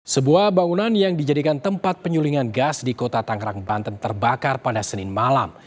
sebuah bangunan yang dijadikan tempat penyulingan gas di kota tanggerang banten terbakar pada senin malam